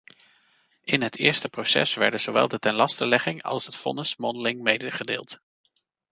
In het eerste proces werden zowel de tenlastelegging als het vonnis mondeling medegedeeld.